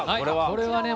これはね